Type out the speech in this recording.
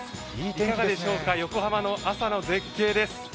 いかがでしょうか、横浜の朝の絶景です。